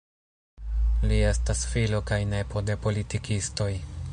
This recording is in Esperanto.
Li estas filo kaj nepo de politikistoj.